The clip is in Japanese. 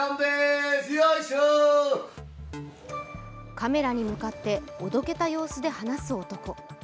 カメラに向かっておどけた様子で話す男。